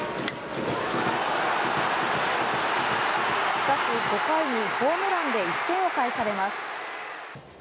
しかし、５回にホームランで１点を返されます。